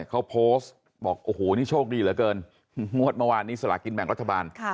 เขาโพสต์บอกโอ้โหนี่โชคดีเหลือเกินงวดเมื่อวานนี้สลากินแบ่งรัฐบาล